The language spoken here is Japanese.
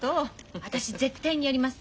私絶対にやります。